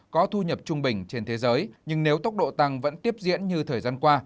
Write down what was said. có thu nhập trung bình trên thế giới nhưng nếu tốc độ tăng vẫn tiếp diễn như thời gian qua